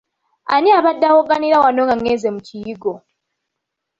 Ani abadde awogganira wano nga ngenze mu kiyigo?